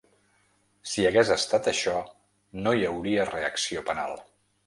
Si hagués estat això no hi hauria reacció penal.